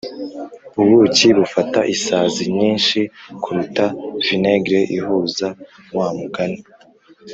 ubuki bufata isazi nyinshi kuruta vinegere ihuza wa mugani